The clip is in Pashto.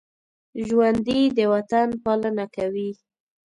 ژوندي د وطن پالنه کوي